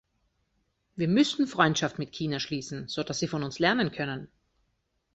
Wir müssen Freundschaft mit China schließen, sodass sie von uns lernen können.